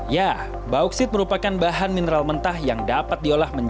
ya bauksit merupakan bahan mineral mentah yang dapat diolah menjadi